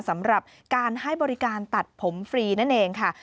สำหรับการให้บริการตัดผมฟรีนั่นเองค่ะ